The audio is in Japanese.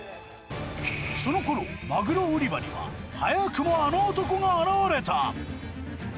そのころ、まぐろ売り場には、早くもあの男が現れた。